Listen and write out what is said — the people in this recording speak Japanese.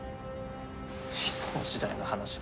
いつの時代の話ですか。